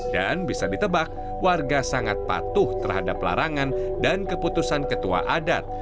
dan bisa ditebak warga sangat patuh terhadap larangan dan keputusan ketua adat